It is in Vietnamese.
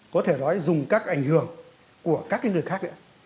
có thể nói dùng các ảnh hưởng của các người khác nữa